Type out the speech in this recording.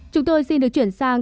chúng tôi xin được chuyển sang